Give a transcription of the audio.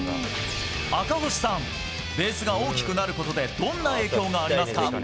赤星さん、ベースが大きくなることで、どんな影響がありますか？